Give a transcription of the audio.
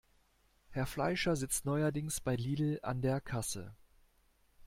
Herr Fleischer sitzt neuerdings bei Lidl an der Kasse.